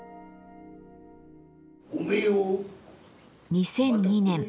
２００２年